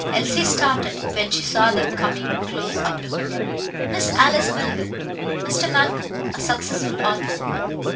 Elsie started when she saw them coming close up to her. "Miss Alice Melville Mr. Malcolm a successful author.